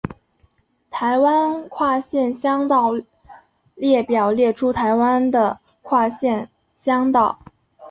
台湾跨县乡道列表列出台湾的跨县乡道。